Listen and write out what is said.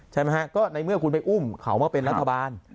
ใช่ไหมฮะก็ในเมื่อคุณไปอุ้มเขามาเป็นรัฐบาล